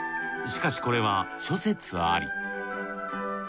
しかしこれは諸説あり。